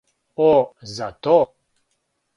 О, за то?